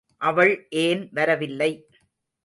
அவள் ஏன் வரவில்லை?